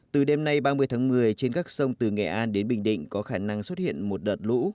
từ đêm nay ba mươi tháng một mươi trên các sông từ nghệ an đến bình định có khả năng xuất hiện một đợt lũ